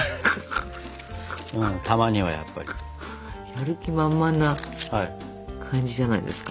やる気満々な感じじゃないですか？